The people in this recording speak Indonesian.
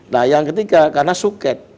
nah yang ketiga karena suket